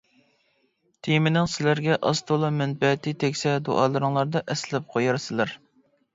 تېمىنىڭ سىلەرگە ئاز تولا مەنپەئەتى تەگسە دۇئالىرىڭلاردا ئەسلەپ قويارسىلەر!